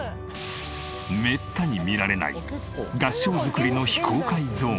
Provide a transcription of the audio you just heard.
めったに見られない合掌造りの非公開ゾーンへ。